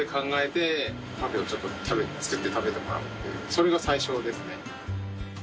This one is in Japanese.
それが最初ですね。